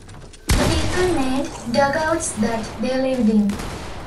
The people made dugouts that they lived in.